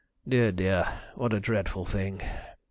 Dear, dear, what a dreadful thing!